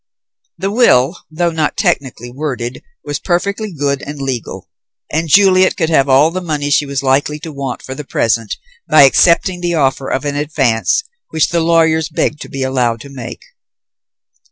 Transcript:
The will, though not technically worded, was perfectly good and legal, and Juliet could have all the money she was likely to want for the present by accepting the offer of an advance which the lawyers begged to be allowed to make.